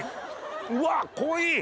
うわ濃い！